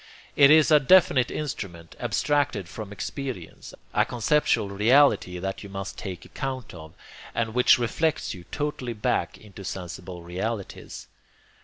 It is a definite instrument abstracted from experience, a conceptual reality that you must take account of, and which reflects you totally back into sensible realities.